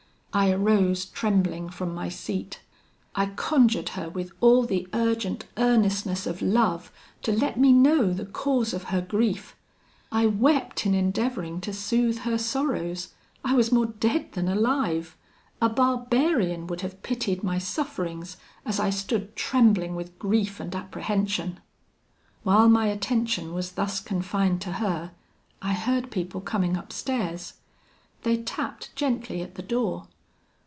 I arose trembling from my seat: I conjured her, with all the urgent earnestness of love, to let me know the cause of her grief: I wept in endeavouring to soothe her sorrows: I was more dead than alive. A barbarian would have pitied my sufferings as I stood trembling with grief and apprehension. "While my attention was thus confined to her, I heard people coming upstairs. They tapped gently at the door.